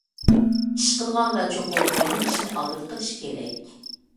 ئىش قىلغاندا چوقۇم مۇھىم ئىشنى ئالدىدا قىلىش كېرەك.